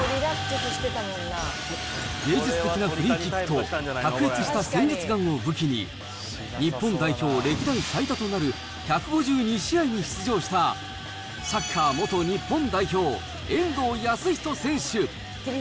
芸術的なフリーキックと、卓越した戦術眼を武器に、日本代表歴代最多となる１５２試合に出場した、サッカー元日本代表、遠藤保仁選手。